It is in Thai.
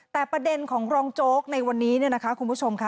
แต่ประเด็นของรองโจ๊กในวันนี้เนี่ยนะคะคุณผู้ชมค่ะ